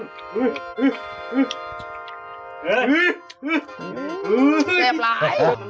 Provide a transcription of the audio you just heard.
เรียบร้อย